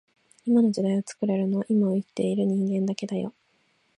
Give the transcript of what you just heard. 今の時代を作れるのは今を生きている人間だけだよ